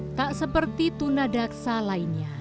tidak seperti tunadaksa lainnya